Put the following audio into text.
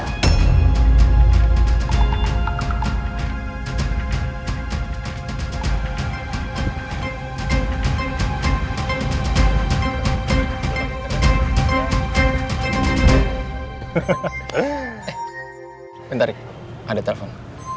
eh bentar ada telepon